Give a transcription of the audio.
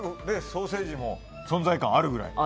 ソーセージも存在感があるくらい。